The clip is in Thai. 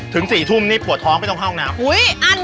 ถึง๔ทุ่มนี่ปวดท้องไม่ต้องเข้าห้องน้ำ